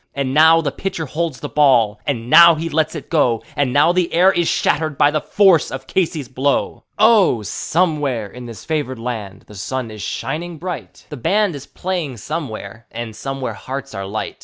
And now the pitcher holds the ball, and now he lets it go, And now the air is shattered by the force of Casey's blow. Oh! somewhere in this favored land the sun is shining bright; The band is playing somewhere, and somewhere hearts are light.